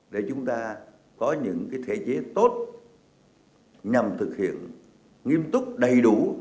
để chúng ta có những thể chế tốt nhằm thực hiện nghiêm túc đầy đủ